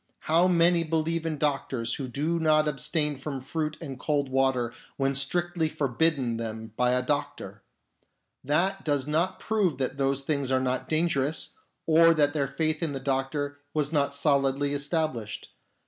How many believe in doctors who do not abstain from fruit and cold water when strictly forbidden them by a doctor ! That does not prove that those things are not dangerous, or that their faith in the doctor was not solidly established.